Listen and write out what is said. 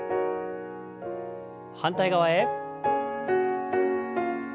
反対側へ。